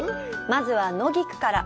まずは野菊から。